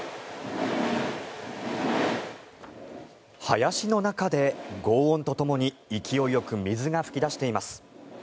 林の中でごう音とともに勢いよく水が噴き出しています。